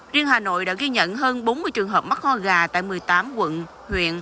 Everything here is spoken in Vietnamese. riêng hà nội đã ghi nhận hơn bốn mươi trường hợp mắc ho gà tại một mươi tám quận huyện